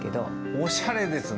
おしゃれですね。